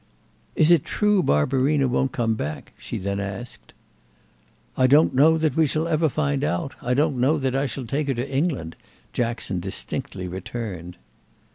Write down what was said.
"Is it true Barbarina won't come back?" she then asked. "I don't know that we shall ever find out; I don't know that I shall take her to England," Jackson distinctly returned.